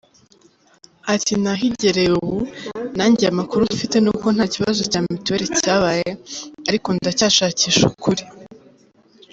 Ati nahigereye ubu nanjye, amakuru mfite nuko ntakibazo cya mutuelle cyabaye, ariko ndacyashakisha ukuri.